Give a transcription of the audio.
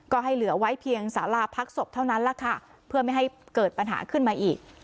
ก็ให้เหลือไว้เพียงสาราพักศพเท่านั้นแหละค่ะเพื่อไม่ให้เกิดปัญหาขึ้นมาอีก